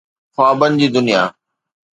خوابن جي دنيا.